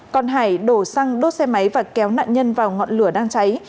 còn hải đổ xăng đốt xe máy và kéo nạn nhân vào ngọn lửa đang cháy